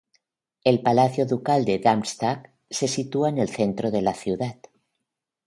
El palacio ducal de Darmstadt se sitúa en el centro de la ciudad.